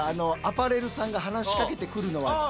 アパレルさんが話しかけてくるのは苦手？